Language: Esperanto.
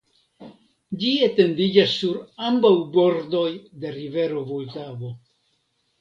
Ĝi etendiĝas sur ambaŭ bordoj de rivero Vultavo.